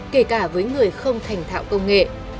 kể cả với người không thành thạo công nghệ